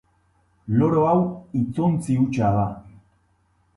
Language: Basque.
Loro hau hitzontzi hutsa da.